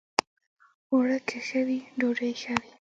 اوړه که ښه وي، ډوډۍ ښه وي